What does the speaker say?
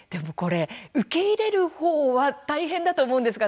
受け入れる方は大変だと思うんですが